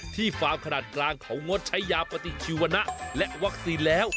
ฟาร์มขนาดกลางเขางดใช้ยาปฏิชีวนะและวัคซีนแล้ว